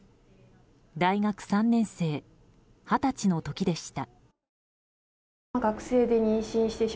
大学３年生、二十歳の時でした。